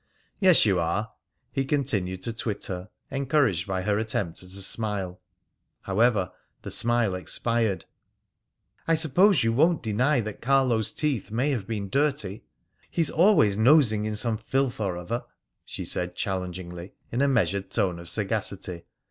"Yes, you are," he continued to twit her, encouraged by her attempt at a smile. However, the smile expired. "I suppose you won't deny that Carlo's teeth may have been dirty? He's always nosing in some filth or other," she said challengingly, in a measured tone of sagacity.